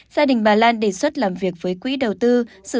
gia đình bà lan đề xuất làm việc với quỹ đầu tư